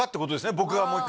僕がもう一回。